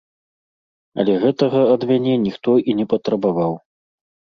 Але гэтага ад мяне ніхто і не патрабаваў.